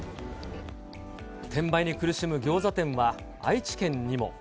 転売に苦しむギョーザ店は愛